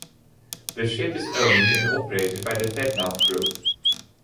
The ship is owned and operated by the Fednav Group.